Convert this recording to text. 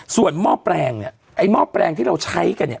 ส่วนหม้อแปลงนี้ไอ้ที่เราใช้กันนี้